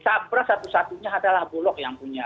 ini peras satu satunya adalah bulog yang punya